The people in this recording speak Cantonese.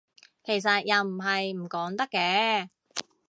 其實又唔係唔講得嘅